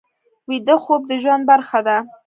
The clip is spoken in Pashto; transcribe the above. ویده خوب د ژوند برخه ده